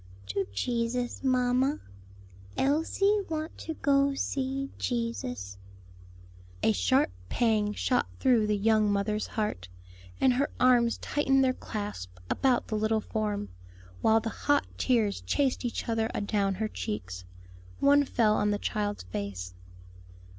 "To Jesus, mamma; Elsie want to go see Jesus." A sharp pang shot through the young mothers heart, and her arms tightened their clasp about the little form, while the hot tears chased each other adown her cheeks. One fell on the child's face.